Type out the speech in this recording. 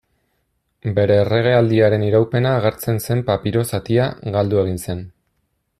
Bere erregealdiaren iraupena agertzen zen papiro zatia, galdu egin zen.